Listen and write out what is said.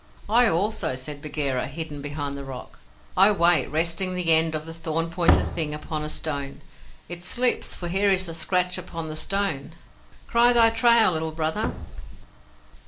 "I also," said Bagheera, hidden behind the rock. "I wait, resting the end of the thorn pointed thing upon a stone. It slips, for here is a scratch upon the stone. Cry thy trail, Little Brother."